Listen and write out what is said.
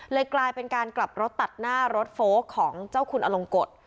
กลายเป็นการกลับรถตัดหน้ารถโฟลกของเจ้าคุณอลงกฎ